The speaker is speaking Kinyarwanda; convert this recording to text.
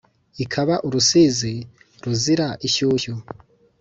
ikaba urusizi ruzira inshushyu!